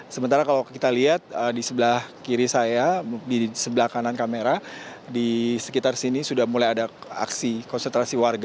sementara kalau kita lihat di sebelah kiri saya di sebelah kanan kamera di sekitar sini sudah mulai ada aksi konsentrasi warga